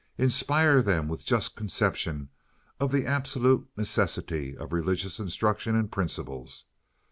Inspire them with just conception of the absolute necessity of religious instruction and principles.